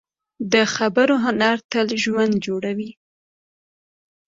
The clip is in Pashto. د خبرو هنر تل ژوند جوړوي